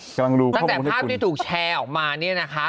ตั้งแต่ภาพที่ถูกแชร์ออกมาเนี่ยนะคะ